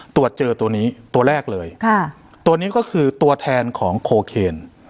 ตรวจเจอตัวนี้ตัวแรกเลยค่ะตัวนี้ก็คือตัวแทนของโคเคน